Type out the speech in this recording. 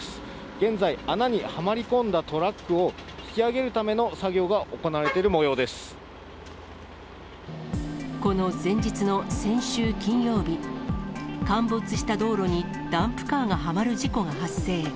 現在、穴にはまり込んだトラックを引き上げるための作業が行われているこの前日の先週金曜日、陥没した道路にダンプカーがはまる事故が発生。